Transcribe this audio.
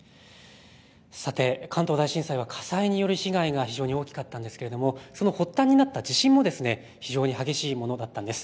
さて関東大震災は火災による被害が非常に大きかったのですがその発端になった地震も非常に激しいものだったんです。